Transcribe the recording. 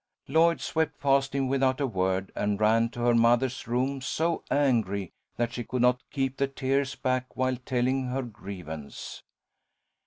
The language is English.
Lloyd swept past him without a word, and ran to her mother's room so angry that she could not keep the tears back while telling her grievance.